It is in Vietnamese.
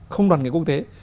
không đoàn kết quốc tế